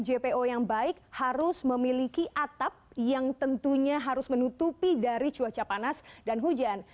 jpo yang baik harus memiliki atap yang tentunya harus menutupi dari cuaca panas dan hujan